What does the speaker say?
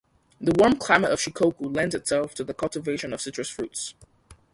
The warm climate of Shikoku lends itself to the cultivation of citrus fruits.